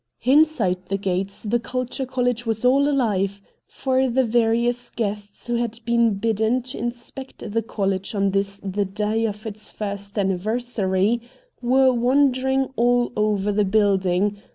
Inside the gates the Culture College was all alive, for the various guests who had been bidden to inspect the College on this the day of its first anniver sary were wandering all over the building, VOL.